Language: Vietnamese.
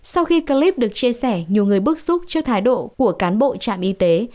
sau khi clip được chia sẻ nhiều người bức xúc trước thái độ của cán bộ trạm y tế